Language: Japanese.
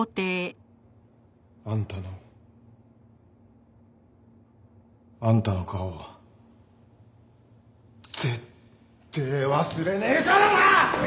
あんたの。あんたの顔絶対忘れねえからな！